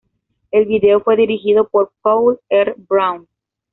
El video fue dirigido por Paul R. Brown.